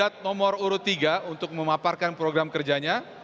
tiga untuk memaparkan program kerjanya